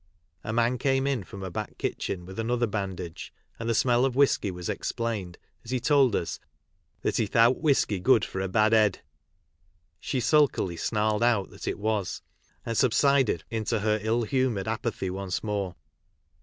A man came in from a back kitchen with another bandage, and the smell cf whisky was explained as he told us that " he thowt whisky good for a bad 'ed." t She sulkily snarled out that it was, and subsided into her ill humoured apathy once more.